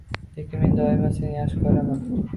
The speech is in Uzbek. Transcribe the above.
lekin men doimo seni yaxshi ko‘raman.